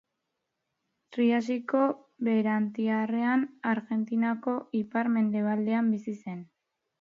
Triasiko Berantiarrean Argentinako ipar-mendebaldean bizi zen.